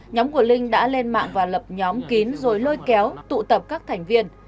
nhóm của linh đã lên mạng và lập nhóm kín rồi lôi kéo tụ tập các thành viên